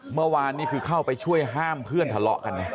เมื่อวานนี้คือเข้าไปช่วยห้ามเพื่อนทะเลาะกันนะ